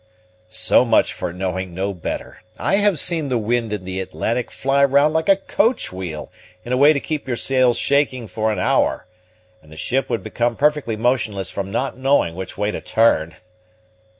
"So much for knowing no better! I have seen the wind in the Atlantic fly round like a coach wheel, in a way to keep your sails shaking for an hour, and the ship would become perfectly motionless from not knowing which way to turn."